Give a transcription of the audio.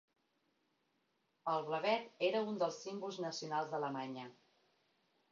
El blavet era un dels símbols nacionals d'Alemanya.